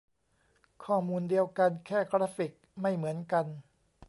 ข้อมูลเดียวกัน แค่กราฟิกไม่เหมือนกัน